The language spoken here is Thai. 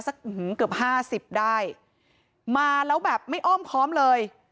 เกือบห้าสิบได้มาแล้วแบบไม่อ้อมค้อมเลย